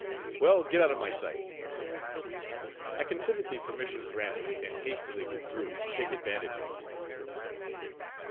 "Well, get out of my sight." I considered the permission granted, and hastily withdrew to take advantage of it.